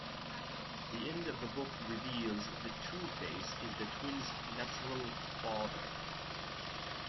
The end of the book reveals that Two-Face is the twins' natural father.